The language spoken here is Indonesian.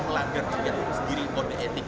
melanggar juga sendiri kode etik